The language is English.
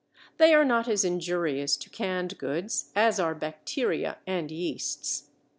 They are not as injurious to canned goods as are bacteria and yeasts.